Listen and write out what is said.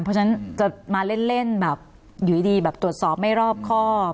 เพราะฉะนั้นจะมาเล่นอยู่ดีตรวจสอบไม่รอบข้อ